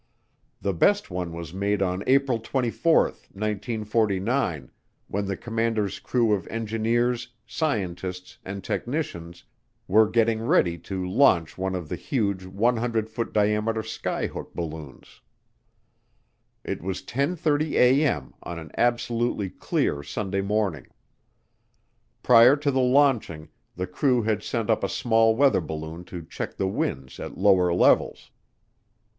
The best one was made on April 24, 1949, when the commander's crew of engineers, scientists, and technicians were getting ready to launch one of the huge 100 foot diameter skyhook balloons. It was 10:30A.M. on an absolutely clear Sunday morning. Prior to the launching, the crew had sent up a small weather balloon to check the winds at lower levels.